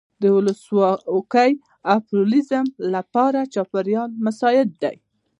د ولسواکۍ او پلورالېزم لپاره چاپېریال مساعد دی.